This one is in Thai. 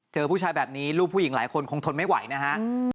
เจอผู้ชายแบบนี้ลูกผู้หญิงหลายคนคงทนไม่ไหวนะฮะ